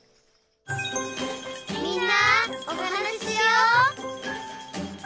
「みんなおはなししよう」